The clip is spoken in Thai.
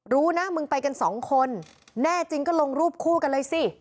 รู้นะมึงไปกันสองคนแน่จริงก็ลงรูปคู่กันเลยสิ